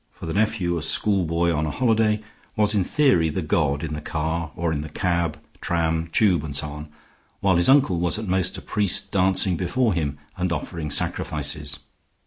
For the nephew, a schoolboy on a holiday, was in theory the god in the car, or in the cab, tram, tube, and so on, while his uncle was at most a priest dancing before him and offering sacrifices.